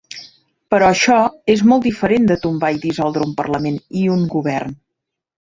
Però això és molt diferent de tombar i dissoldre un parlament i un govern.